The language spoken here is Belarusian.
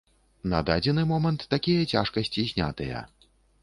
На дадзены момант такія цяжкасці знятыя.